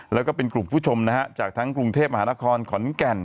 แล้วก็เป็นกลุ่มผู้ชมนะฮะจากทั้งกรุงเทพมหานครขอนแก่น